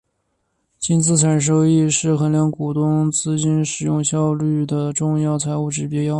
净资产收益率是衡量股东资金使用效率的重要财务指标。